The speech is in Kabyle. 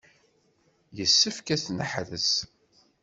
Yessefk ad t-neḥrez.